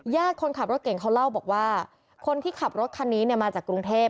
คนขับรถเก่งเขาเล่าบอกว่าคนที่ขับรถคันนี้เนี่ยมาจากกรุงเทพ